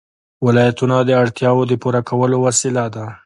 ولایتونه د اړتیاوو د پوره کولو وسیله ده.